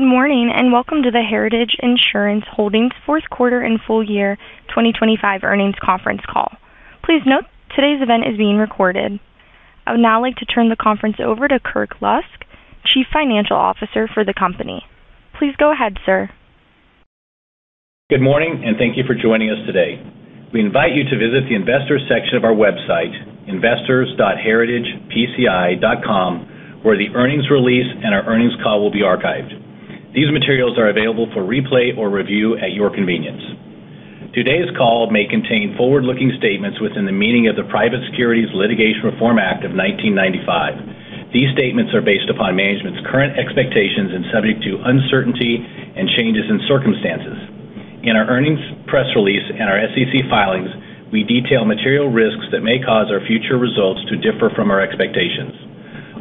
Good morning. Welcome to the Heritage Insurance Holdings fourth quarter and full year 2025 earnings conference call. Please note today's event is being recorded. I would now like to turn the conference over to Kirk Lusk, Chief Financial Officer for the company. Please go ahead, sir. Good morning, and thank you for joining us today. We invite you to visit the investors section of our website, investors.heritagepci.com, where the earnings release and our earnings call will be archived. These materials are available for replay or review at your convenience. Today's call may contain forward-looking statements within the meaning of the Private Securities Litigation Reform Act of 1995. These statements are based upon management's current expectations and subject to uncertainty and changes in circumstances. In our earnings press release and our SEC filings, we detail material risks that may cause our future results to differ from our expectations.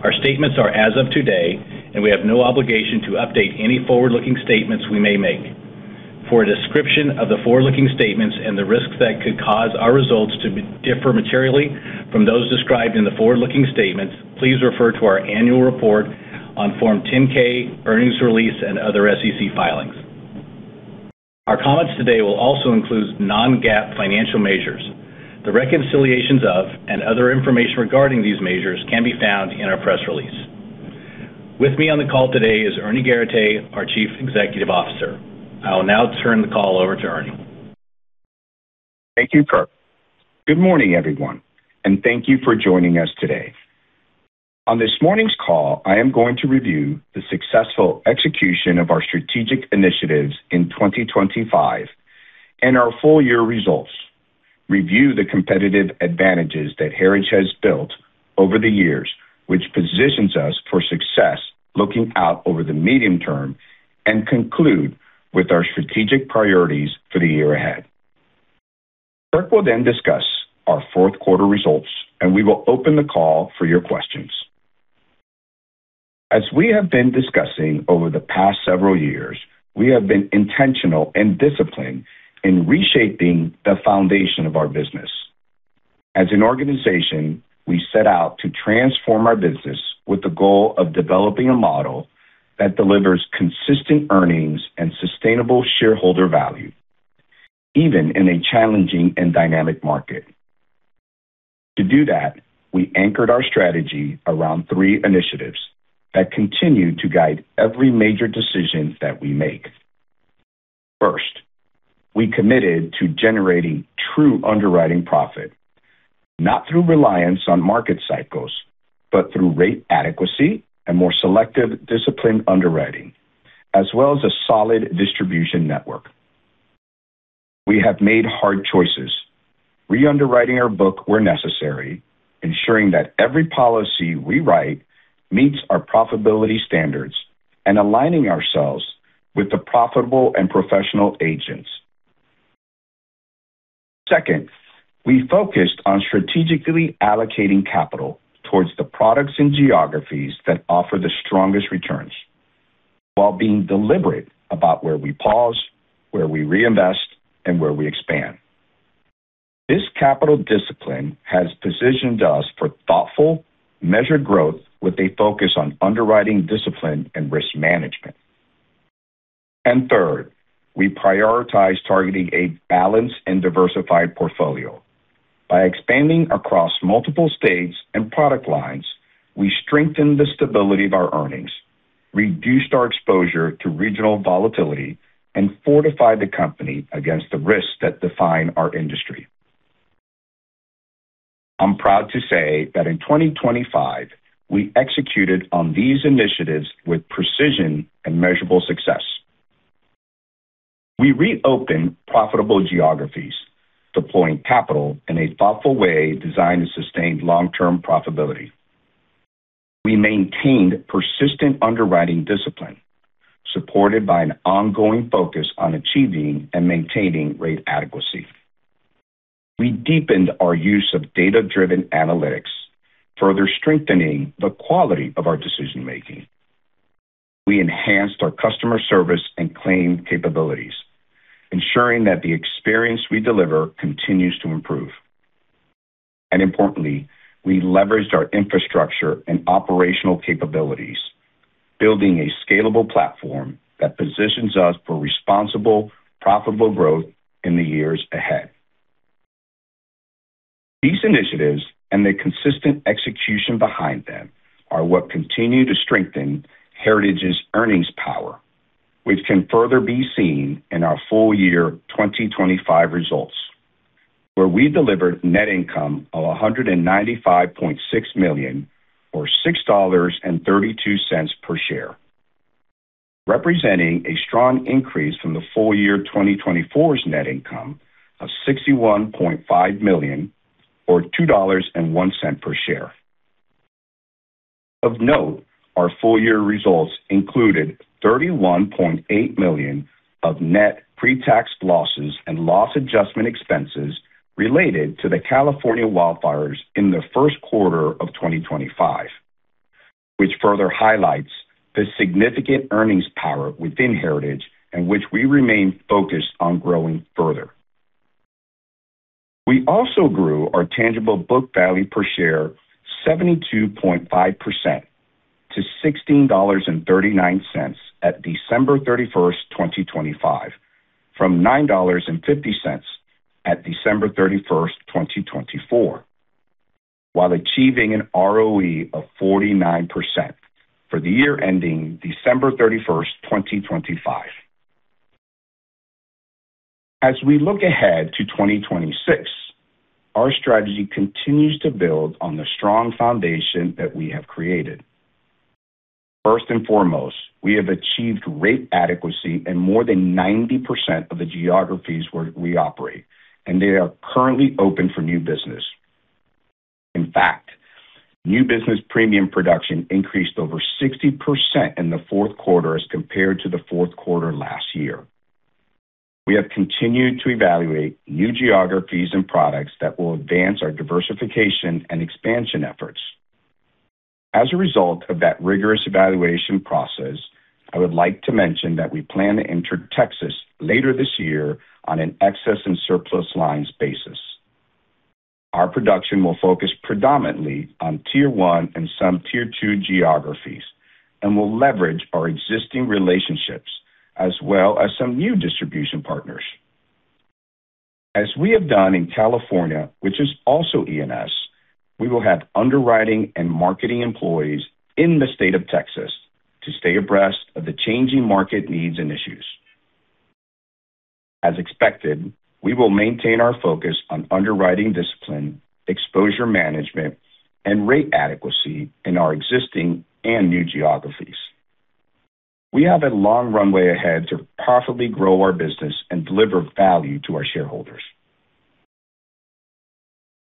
Our statements are as of today, and we have no obligation to update any forward-looking statements we may make. For a description of the forward-looking statements and the risks that could cause our results to differ materially from those described in the forward-looking statements, please refer to our annual report on Form 10-K, earnings release and other SEC filings. Our comments today will also include non-GAAP financial measures. The reconciliations of and other information regarding these measures can be found in our press release. With me on the call today is Ernie Garateix, our Chief Executive Officer. I will now turn the call over to Ernie. Thank you, Kirk. Good morning, everyone, and thank you for joining us today. On this morning's call, I am going to review the successful execution of our strategic initiatives in 2025 and our full year results. Review the competitive advantages that Heritage has built over the years, which positions us for success looking out over the medium term, and conclude with our strategic priorities for the year ahead. Kirk will discuss our fourth quarter results, and we will open the call for your questions. As we have been discussing over the past several years, we have been intentional and disciplined in reshaping the foundation of our business. As an organization, we set out to transform our business with the goal of developing a model that delivers consistent earnings and sustainable shareholder value, even in a challenging and dynamic market. To do that, we anchored our strategy around three initiatives that continue to guide every major decision that we make. First, we committed to generating true underwriting profit, not through reliance on market cycles, but through rate adequacy and more selective, disciplined underwriting as well as a solid distribution network. We have made hard choices, re-underwriting our book where necessary, ensuring that every policy we write meets our profitability standards, and aligning ourselves with the profitable and professional agents. Second, we focused on strategically allocating capital towards the products and geographies that offer the strongest returns while being deliberate about where we pause, where we reinvest, and where we expand. This capital discipline has positioned us for thoughtful, measured growth with a focus on underwriting discipline and risk management. Third, we prioritize targeting a balanced and diversified portfolio. By expanding across multiple states and product lines, we strengthen the stability of our earnings, reduced our exposure to regional volatility, and fortified the company against the risks that define our industry. I'm proud to say that in 2025, we executed on these initiatives with precision and measurable success. We reopened profitable geographies, deploying capital in a thoughtful way designed to sustain long-term profitability. We maintained persistent underwriting discipline, supported by an ongoing focus on achieving and maintaining rate adequacy. We deepened our use of data-driven analytics, further strengthening the quality of our decision-making. We enhanced our customer service and claim capabilities, ensuring that the experience we deliver continues to improve. Importantly, we leveraged our infrastructure and operational capabilities, building a scalable platform that positions us for responsible, profitable growth in the years ahead. These initiatives and the consistent execution behind them are what continue to strengthen Heritage's earnings power, which can further be seen in our full year 2025 results, where we delivered net income of $195.6 million or $6.32 per share, representing a strong increase from the full year 2024's net income of $61.5 million or $2.01 per share. Of note, our full year results included $31.8 million of net pre-tax losses and loss adjustment expenses related to the California wildfires in the first quarter of 2025, which further highlights the significant earnings power within Heritage and which we remain focused on growing further. We also grew our tangible book value per share 72.5% to $16.39 at December 31, 2025, from $9.50 at December 31, 2024, while achieving an ROE of 49% for the year ending December 31, 2025. As we look ahead to 2026, our strategy continues to build on the strong foundation that we have created. First and foremost, we have achieved rate adequacy in more than 90% of the geographies where we operate, they are currently open for new business. In fact, new business premium production increased over 60% in the fourth quarter as compared to the fourth quarter last year. We have continued to evaluate new geographies and products that will advance our diversification and expansion efforts. As a result of that rigorous evaluation process, I would like to mention that we plan to enter Texas later this year on an excess and surplus lines basis. Our production will focus predominantly on Tier 1 and some Tier 2 geographies and will leverage our existing relationships as well as some new distribution partners. As we have done in California, which is also E&S, we will have underwriting and marketing employees in the state of Texas to stay abreast of the changing market needs and issues. As expected, we will maintain our focus on underwriting discipline, exposure management, and rate adequacy in our existing and new geographies. We have a long runway ahead to profitably grow our business and deliver value to our shareholders.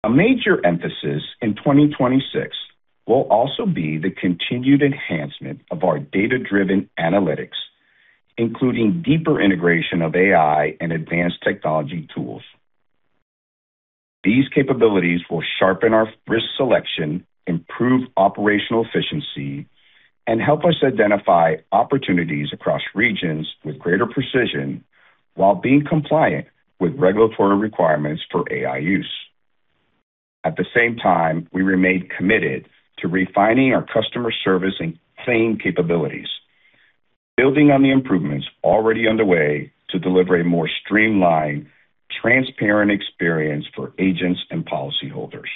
A major emphasis in 2026 will also be the continued enhancement of our data-driven analytics, including deeper integration of AI and advanced technology tools. These capabilities will sharpen our risk selection, improve operational efficiency, and help us identify opportunities across regions with greater precision while being compliant with regulatory requirements for AI use. At the same time, we remain committed to refining our customer service and claim capabilities, building on the improvements already underway to deliver a more streamlined, transparent experience for agents and policyholders.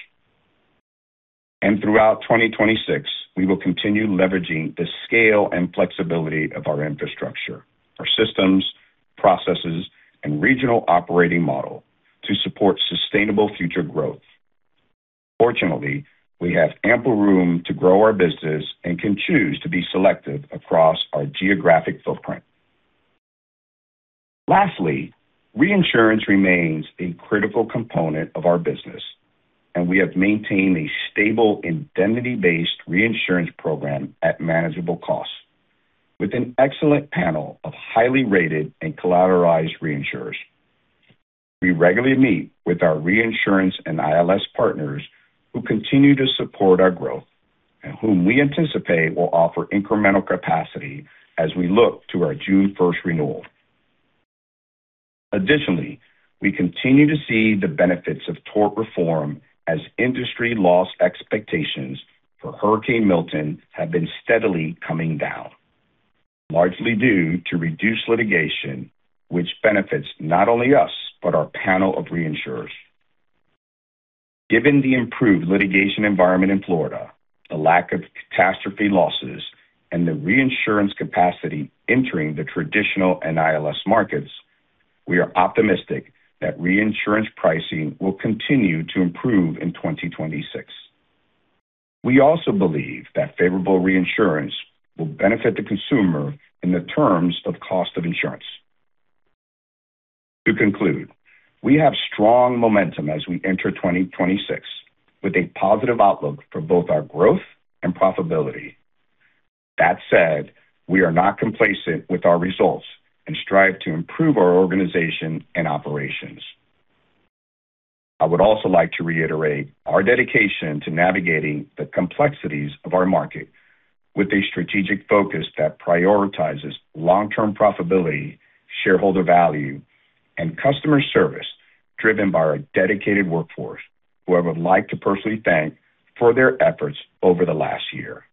Throughout 2026, we will continue leveraging the scale and flexibility of our infrastructure, our systems, processes, and regional operating model to support sustainable future growth. Fortunately, we have ample room to grow our business and can choose to be selective across our geographic footprint. Lastly, reinsurance remains a critical component of our business, and we have maintained a stable indemnity-based reinsurance program at manageable costs with an excellent panel of highly rated and collateralized reinsurers. We regularly meet with our reinsurance and ILS partners who continue to support our growth and whom we anticipate will offer incremental capacity as we look to our June 1st renewal. Additionally, we continue to see the benefits of tort reform as industry loss expectations for Hurricane Milton have been steadily coming down, largely due to reduced litigation, which benefits not only us, but our panel of reinsurers. Given the improved litigation environment in Florida, the lack of catastrophe losses, and the reinsurance capacity entering the traditional and ILS markets, we are optimistic that reinsurance pricing will continue to improve in 2026. We also believe that favorable reinsurance will benefit the consumer in the terms of cost of insurance. To conclude, we have strong momentum as we enter 2026 with a positive outlook for both our growth and profitability. That said, we are not complacent with our results and strive to improve our organization and operations. I would also like to reiterate our dedication to navigating the complexities of our market with a strategic focus that prioritizes long-term profitability, shareholder value, and customer service driven by our dedicated workforce, who I would like to personally thank for their efforts over the last year.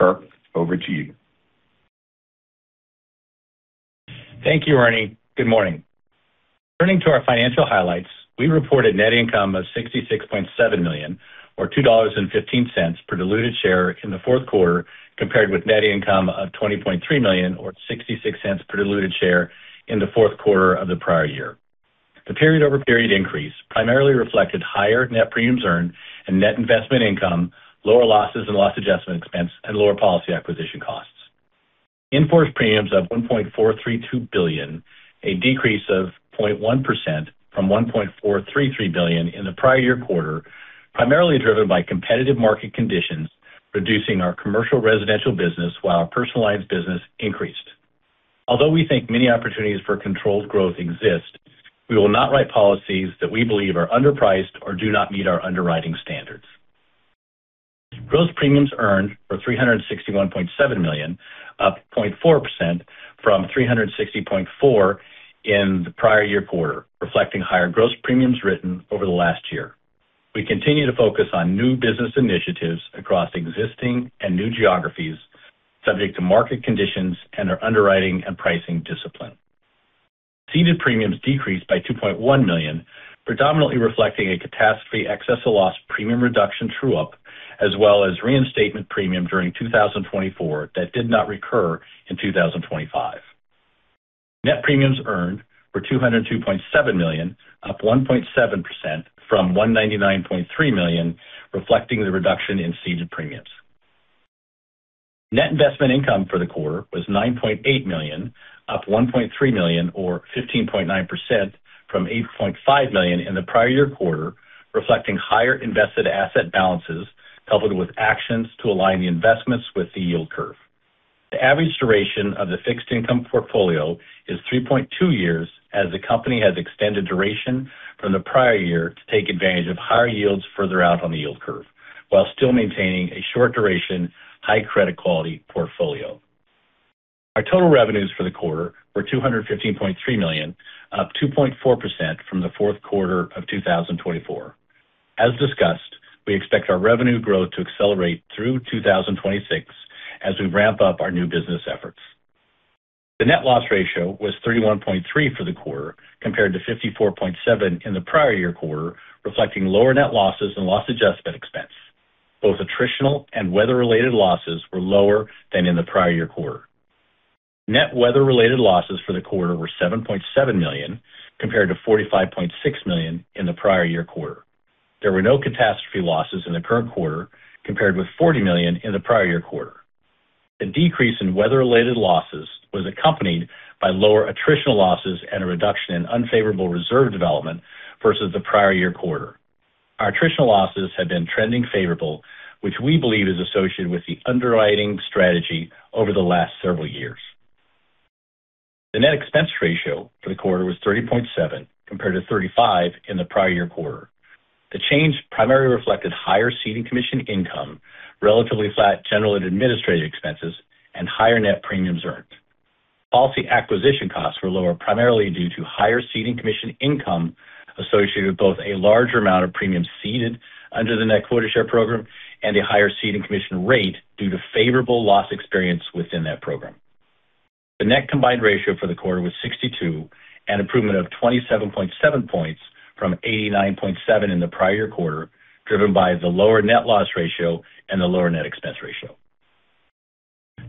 Kirk, over to you. Thank you, Ernie. Good morning. Turning to our financial highlights, we reported net income of $66.7 million, or $2.15 per diluted share in the fourth quarter, compared with net income of $20.3 million or $0.66 per diluted share in the fourth quarter of the prior year. The period-over-period increase primarily reflected higher net premiums earned and net investment income, lower losses and loss adjustment expense, and lower policy acquisition costs. In force premiums of $1.432 billion, a decrease of 0.1% from $1.433 billion in the prior year quarter, primarily driven by competitive market conditions, reducing our commercial residential business while our personal lines business increased. Although we think many opportunities for controlled growth exist, we will not write policies that we believe are underpriced or do not meet our underwriting standards. Gross premiums earned were $361.7 million, up 0.4% from $360.4 million in the prior year quarter, reflecting higher gross premiums written over the last year. We continue to focus on new business initiatives across existing and new geographies, subject to market conditions and our underwriting and pricing discipline. Ceded premiums decreased by $2.1 million, predominantly reflecting a catastrophe excess of loss premium reduction true-up as well as reinstatement premium during 2024 that did not recur in 2025. Net premiums earned were $202.7 million, up 1.7% from $199.3 million, reflecting the reduction in ceded premiums. Net investment income for the quarter was $9.8 million, up $1.3 million or 15.9% from $8.5 million in the prior year quarter, reflecting higher invested asset balances coupled with actions to align the investments with the yield curve. The average duration of the fixed income portfolio is 3.2 years as the company has extended duration from the prior year to take advantage of higher yields further out on the yield curve while still maintaining a short duration, high credit quality portfolio. Our total revenues for the quarter were $215.3 million, up 2.4% from the fourth quarter of 2024. As discussed, we expect our revenue growth to accelerate through 2026 as we ramp up our new business efforts. The net loss ratio was 31.3 for the quarter compared to 54.7 in the prior year quarter, reflecting lower net losses and loss adjustment expense. Both attritional and weather-related losses were lower than in the prior year quarter. Net weather-related losses for the quarter were $7.7 million, compared to $45.6 million in the prior year quarter. There were no catastrophe losses in the current quarter, compared with $40 million in the prior year quarter. The decrease in weather-related losses was accompanied by lower attritional losses and a reduction in unfavorable reserve development versus the prior year quarter. Our attritional losses have been trending favorable, which we believe is associated with the underwriting strategy over the last several years. The net expense ratio for the quarter was 30.7, compared to 35 in the prior year quarter. The change primarily reflected higher ceding commission income, relatively flat general and administrative expenses, and higher net premiums earned. Policy acquisition costs were lower primarily due to higher ceding commission income associated with both a larger amount of premiums ceded under the net quota share program and a higher ceding commission rate due to favorable loss experience within that program. The net combined ratio for the quarter was 62, an improvement of 27.7 points from 89.7 in the prior quarter, driven by the lower net loss ratio and the lower net expense ratio.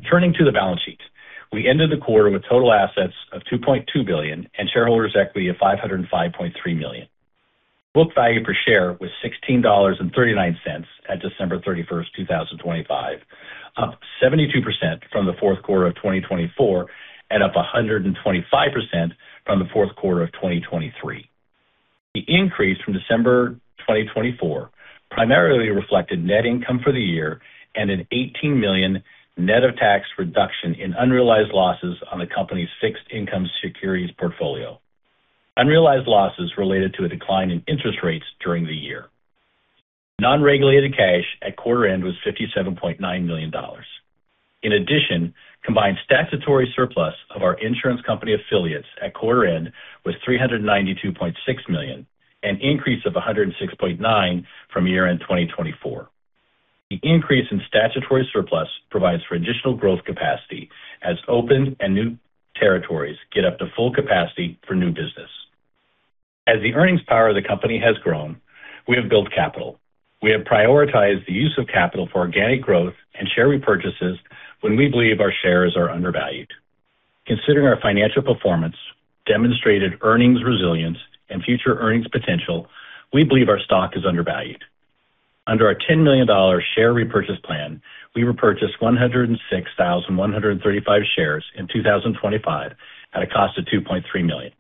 Turning to the balance sheet. We ended the quarter with total assets of $2.2 billion and shareholders equity of $505.3 million. Book value per share was $16.39 at December 31, 2025, up 72% from the fourth quarter of 2024 and up 125% from the fourth quarter of 2023. The increase from December 2024 primarily reflected net income for the year and an $18 million net of tax reduction in unrealized losses on the company's fixed income securities portfolio. Unrealized losses related to a decline in interest rates during the year. Non-regulated cash at quarter end was $57.9 million. In addition, combined statutory surplus of our insurance company affiliates at quarter end was $392.6 million, an increase of $106.9 million from year-end 2024. The increase in statutory surplus provides for additional growth capacity as opened and new territories get up to full capacity for new business. As the earnings power of the company has grown, we have built capital. We have prioritized the use of capital for organic growth and share repurchases when we believe our shares are undervalued. Considering our financial performance, demonstrated earnings resilience, and future earnings potential, we believe our stock is undervalued. Under our $10 million share repurchase plan, we repurchased 106,135 shares in 2025 at a cost of $2.3 million.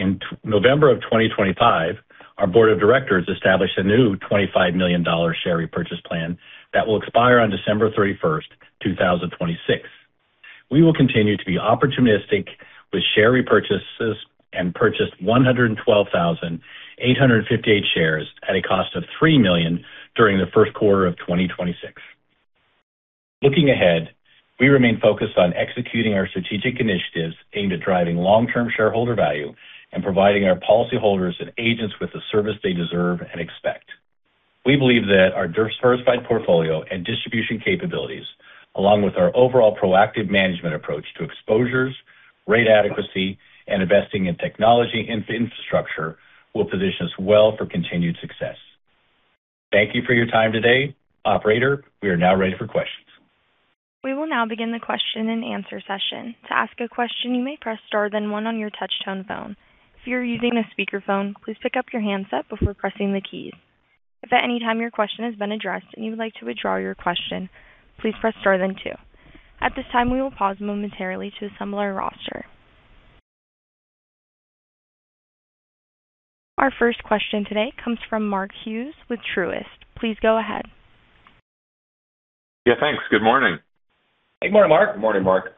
In November 2025, our board of directors established a new $25 million share repurchase plan that will expire on December 31, 2026. We will continue to be opportunistic with share repurchases and purchased 112,858 shares at a cost of $3 million during the first quarter of 2026. Looking ahead, we remain focused on executing our strategic initiatives aimed at driving long-term shareholder value and providing our policyholders and agents with the service they deserve and expect. We believe that our diversified portfolio and distribution capabilities, along with our overall proactive management approach to exposures, rate adequacy, and investing in technology infrastructure will position us well for continued success. Thank you for your time today. Operator, we are now ready for questions. We will now begin the question and answer session. To ask a question, you may press star then one on your touch-tone phone. If you are using a speakerphone, please pick up your handset before pressing the keys. If at any time your question has been addressed and you would like to withdraw your question, please press star then two. At this time, we will pause momentarily to assemble our roster. Our first question today comes from Mark Hughes with Truist. Please go ahead. Yeah, thanks. Good morning. Good morning, Mark. Good morning, Mark.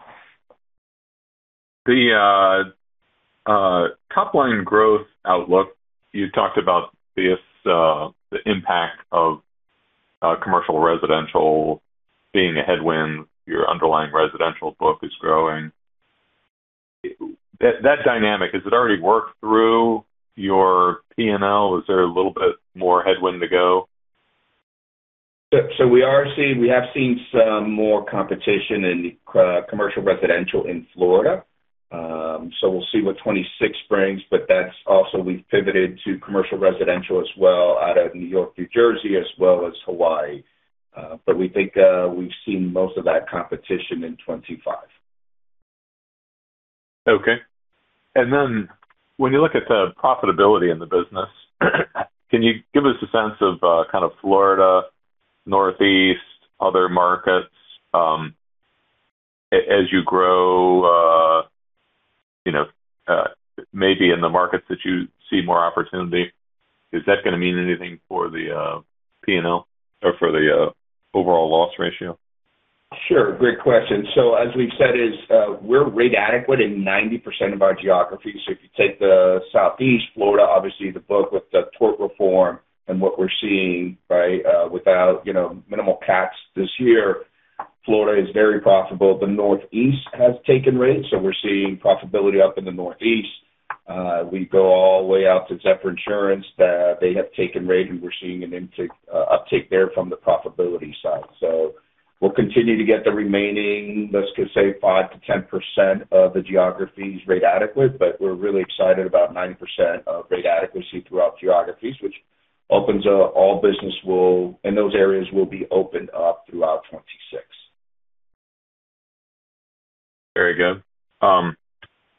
The top line growth outlook, you talked about the impact of commercial residential being a headwind. Your underlying residential book is growing. That dynamic, is it already worked through your PNL? Is there a little bit more headwind to go? We have seen some more competition in the commercial residential in Florida. We'll see what 26 brings. That's also we've pivoted to commercial residential as well out of New York, New Jersey as well as Hawaii. We think we've seen most of that competition in 25. Okay. When you look at the profitability in the business, can you give us a sense of kind of Florida, Northeast, other markets, as you grow, you know, maybe in the markets that you see more opportunity, is that gonna mean anything for the PNL or for the overall loss ratio? Sure. Great question. As we've said is, we're rate adequate in 90% of our geographies. If you take the Southeast Florida, obviously the book with the tort reform and what we're seeing, right, without, you know, minimal caps this year, Florida is very profitable. The Northeast has taken rate. We're seeing profitability up in the Northeast. We go all the way out to Zephyr Insurance that they have taken rate, and we're seeing an uptake there from the profitability side. We'll continue to get the remaining, let's just say 5%-10% of the geographies rate adequate. We're really excited about 90% of rate adequacy throughout geographies, which opens up. Those areas will be opened up throughout 2026. Very good.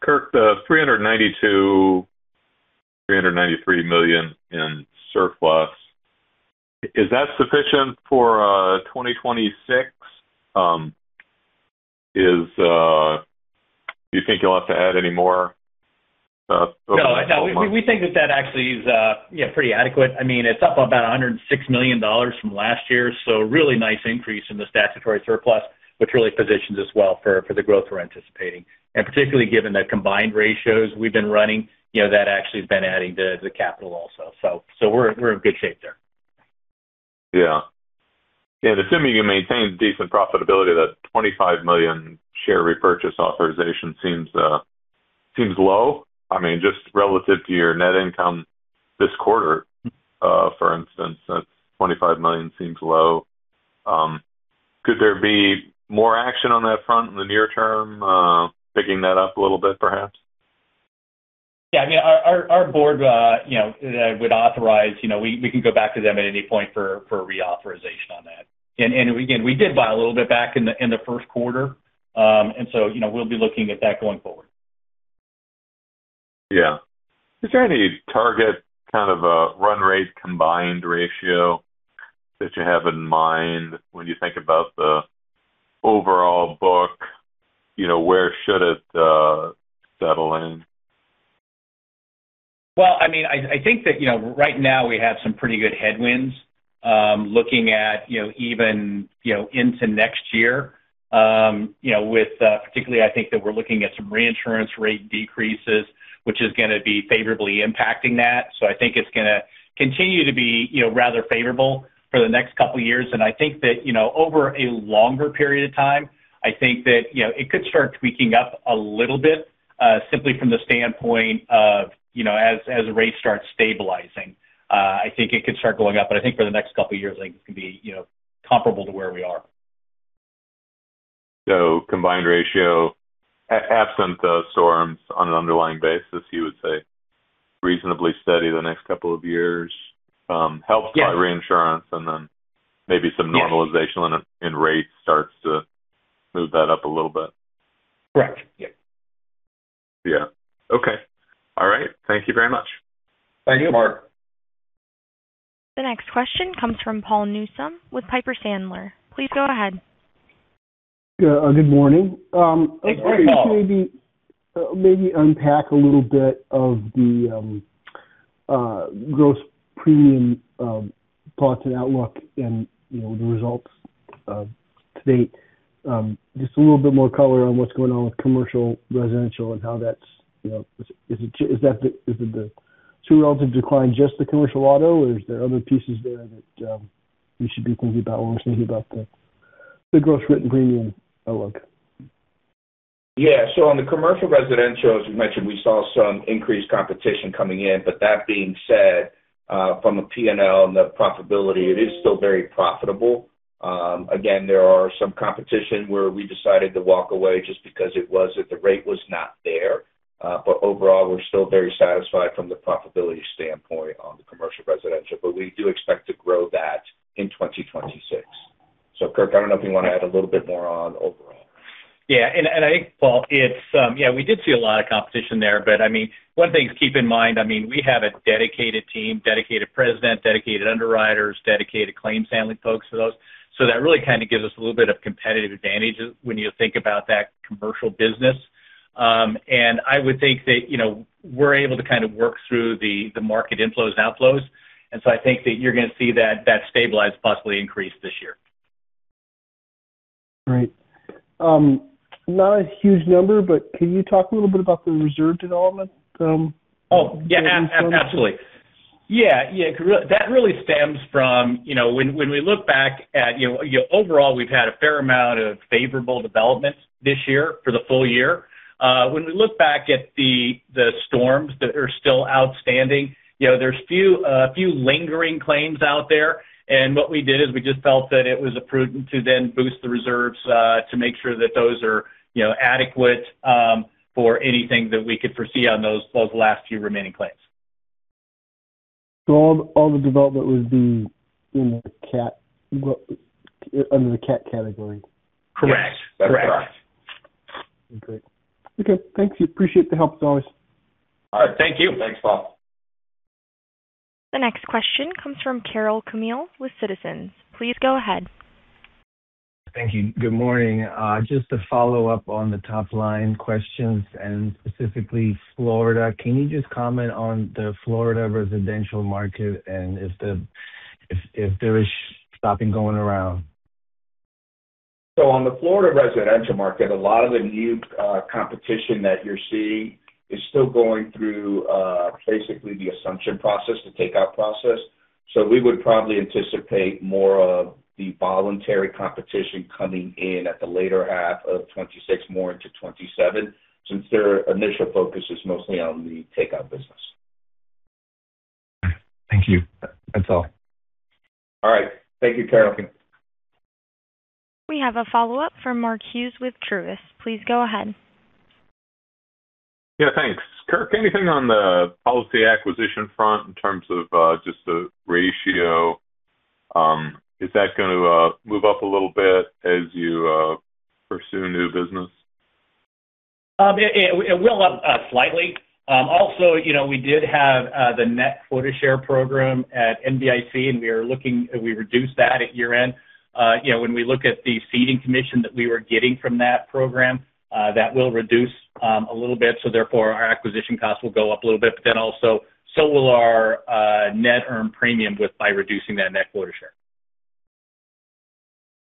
Kirk, the $392 million-$393 million in surplus, is that sufficient for 2026? Do you think you'll have to add any more over the next couple months? No. We think that that actually is, yeah, pretty adequate. I mean, it's up about $106 million from last year, really nice increase in the statutory surplus, which really positions us well for the growth we're anticipating. Particularly given the combined ratios we've been running, you know, that actually has been adding to the capital also. We're in good shape there. Yeah. Assuming you maintain decent profitability, that $25 million share repurchase authorization seems low. I mean, just relative to your net income this quarter, for instance, that $25 million seems low. Could there be more action on that front in the near term, picking that up a little bit, perhaps? Yeah. I mean, our board, you know, would authorize, you know, we can go back to them at any point for reauthorization on that. Again, we did buy a little bit back in the first quarter. So, you know, we'll be looking at that going forward. Yeah. Is there any target kind of a run rate combined ratio that you have in mind when you think about the overall book? You know, where should it settle in? Well, I mean, I think that, you know, right now we have some pretty good headwinds. Looking at, you know, even, you know, into next year, you know, with particularly I think that we're looking at some reinsurance rate decreases, which is gonna be favorably impacting that. I think it's gonna continue to be, you know, rather favorable for the next couple of years. I think that, you know, over a longer period of time, I think that, you know, it could start tweaking up a little bit, simply from the standpoint of, you know, as rates start stabilizing. I think it could start going up. I think for the next couple of years, I think it's gonna be, you know, comparable to where we are. Combined ratio absent of storms on an underlying basis, you would say reasonably steady the next couple of years. Yes. by reinsurance and then maybe some- Yes. normalization in rates starts to move that up a little bit. Correct. Yep. Yeah. Okay. All right. Thank you very much. Thank you, Mark. The next question comes from Paul Newsome with Piper Sandler. Please go ahead. Good morning. Good morning, Paul. Can you maybe unpack a little bit of the gross premium thoughts and outlook and, you know, the results to date. Just a little bit more color on what's going on with commercial residential and how that's, you know, Is that the two relative decline just the commercial auto, or is there other pieces there that we should be thinking about when we're thinking about the gross written premium outlook? Yeah. On the commercial residential, as we mentioned, we saw some increased competition coming in. That being said, from a PNL and the profitability, it is still very profitable. Again, there are some competition where we decided to walk away just because it was that the rate was not there. Overall, we're still very satisfied from the profitability standpoint on the commercial residential, but we do expect to grow that in 2026. Kirk, I don't know if you want to add a little bit more on overall. Yeah. I think, Paul. Yeah, we did see a lot of competition there, but I mean, one of the things keep in mind, I mean, we have a dedicated team, dedicated president, dedicated underwriters, dedicated claims handling folks for those. That really kind of gives us a little bit of competitive advantage when you think about that commercial business. I would think that, you know, we're able to kind of work through the market inflows and outflows. I think that you're gonna see that stabilize possibly increase this year. Not a huge number, but can you talk a little bit about the reserve development? Oh, yeah. Absolutely. Yeah. Yeah. That really stems from, you know, when we look back at, you know, overall, we've had a fair amount of favorable developments this year for the full year. When we look back at the storms that are still outstanding, you know, there's few lingering claims out there. What we did is we just felt that it was prudent to then boost the reserves to make sure that those are, you know, adequate for anything that we could foresee on those last few remaining claims. All the development would be in the cat, under the cat category? Correct. Correct. That's correct. Okay. Okay, thank you. Appreciate the help as always. All right. Thank you. Thanks, Paul. The next question comes from Karol Chmiel with Citizens. Please go ahead. Thank you. Good morning. Just to follow up on the top line questions and specifically Florida, can you just comment on the Florida residential market and if there is shopping going around? On the Florida residential market, a lot of the new competition that you're seeing is still going through basically the assumption process, the takeout process. We would probably anticipate more of the voluntary competition coming in at the later half of 2026 more into 2027, since their initial focus is mostly on the takeout business. Thank you. That's all. All right. Thank you, Karol. We have a follow-up from Mark Hughes with Truist. Please go ahead. Thanks. Kirk, anything on the policy acquisition front in terms of just the ratio? Is that gonna move up a little bit as you pursue new business? It will up slightly. You know, we did have the net quota share program at NBIC, and we are looking. We reduced that at year-end. You know, when we look at the ceding commission that we were getting from that program, that will reduce a little bit, so therefore our acquisition costs will go up a little bit, but then also, so will our net earn premium with by reducing that net quota share.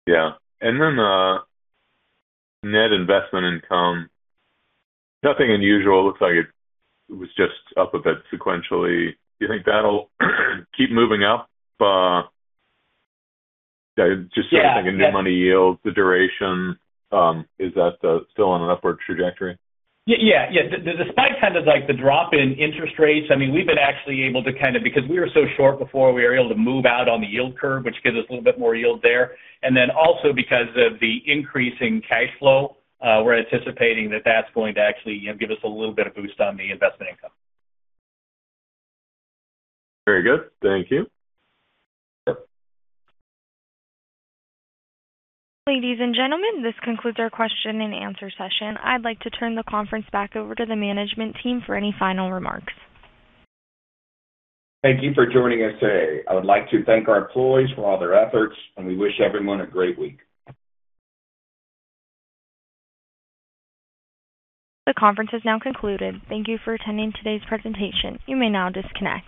Yeah. Then, net investment income, nothing unusual. Looks like it was just up a bit sequentially. Do you think that'll keep moving up? Yeah. A new money yield, the duration, is that still on an upward trajectory? Yeah. Despite kind of like the drop in interest rates, I mean, we've been actually able to kind of because we were so short before, we were able to move out on the yield curve, which gives us a little bit more yield there. Also because of the increasing cash flow, we're anticipating that that's going to actually, you know, give us a little bit of boost on the investment income. Very good. Thank you. Yep. Ladies and gentlemen, this concludes our question and answer session. I'd like to turn the conference back over to the management team for any final remarks. Thank you for joining us today. I would like to thank our employees for all their efforts. We wish everyone a great week. The conference has now concluded. Thank you for attending today's presentation. You may now disconnect.